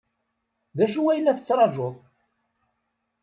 D acu ay la tettṛajuḍ?